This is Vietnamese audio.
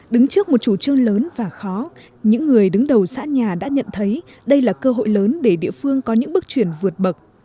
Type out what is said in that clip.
đứng trước một chủ trương lớn và khó những người đứng đầu xã nhà đã nhận thấy đây là cơ hội lớn để địa phương có những bước chuyển vượt bậc